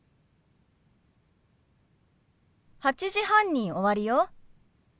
８時半に終わるよ。